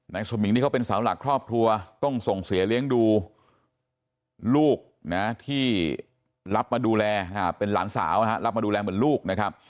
สมิงนี่เขาเป็นสาวหลักครอบครัวต้องส่งเสียเลี้ยงดูลูกนะที่รับมาดูแลเป็นหลานสาวนะครับรับมาดูแลเหมือนลูกนะครับ